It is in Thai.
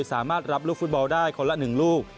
สามารถรับลูกฟุตบอลได้คนละ๑ลูก